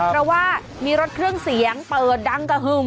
เพราะว่ามีรถเครื่องเสียงเปิดดังกระหึ่ม